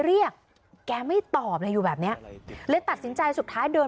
ไม่อยากให้แม่เป็นอะไรไปแล้วนอนร้องไห้แท่ทุกคืน